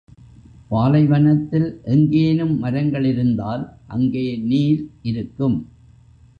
பாலைவனத்தில் எங்கேனும் மரங்கள் இருந்தால், அங்கே நீர் இருக்கும்.